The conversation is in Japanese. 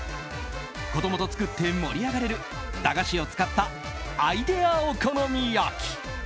子供と作って盛り上がれる駄菓子を使ったアイデアお好み焼き。